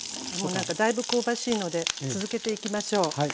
もう何かだいぶ香ばしいので続けていきましょう。